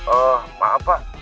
oh maaf pak